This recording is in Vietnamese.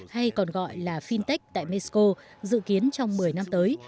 hay còn gọi là fintech tại mexico dự kiến trong một mươi năm tới